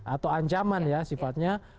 atau ancaman ya sifatnya